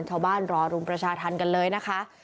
ชาวบ้านรอรุมประชาธรรมกันเลยนะคะ